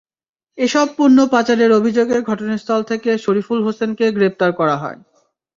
এসব পণ্য পাচারের অভিযোগে ঘটনাস্থল থেকে শরিফুল হোসেনকে গ্রেপ্তার করা হয়।